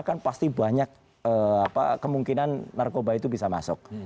kan pasti banyak kemungkinan narkoba itu bisa masuk